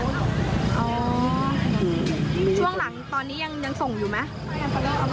ช่วงหลังตอนนี้ยังส่งอยู่ไหม